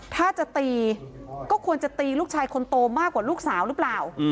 ถ้าจะตีก็ควรจะตีลูกชายคนโตมากกว่าลูกสาวหรือเปล่า